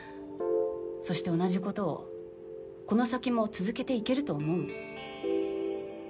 そして同じことをこの先も続けていけると思う？